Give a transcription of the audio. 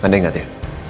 anda ingat ya